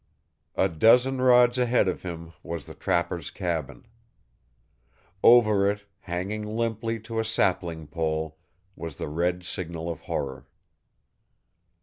A dozen rods ahead of him was the trapper's cabin. Over it, hanging limply to a sapling pole, was the red signal of horror.